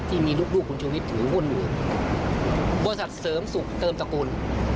ที่มีลูกคุณชูวิทย์ถือหุ้นอยู่บริษัทเสริมสุขเติมตระกูล